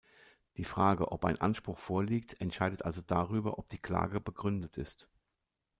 Die Frage, ob ein Anspruch vorliegt, entscheidet also darüber, ob die Klage "begründet" ist.